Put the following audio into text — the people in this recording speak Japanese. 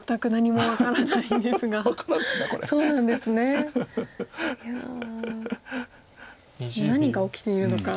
もう何が起きているのか。